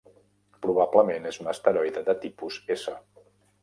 Probablement és un asteroide de tipus S.